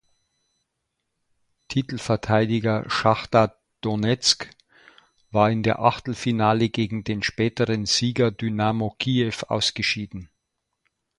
Titelverteidiger Schachtar Donezk war in der Achtelfinale gegen den späteren Sieger Dynamo Kiew ausgeschieden.